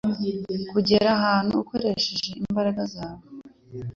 Kugera ahantu ukoresheje imbaraga zawe